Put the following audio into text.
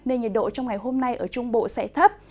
nên nhiệt độ trong ngày hôm nay ở trung bộ sẽ thấp